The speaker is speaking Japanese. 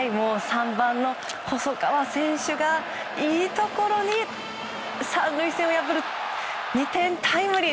３番の細川選手がいいところに３塁線を破る２点タイムリー。